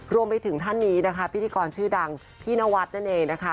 รวมไปถึงท่านนี้นะคะพิธีกรชื่อดังพี่นวัดนั่นเองนะคะ